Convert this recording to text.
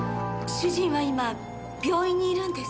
主人は今病院にいるんです。